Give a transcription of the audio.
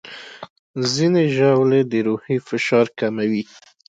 ځینې ژاولې د روحي فشار کموي.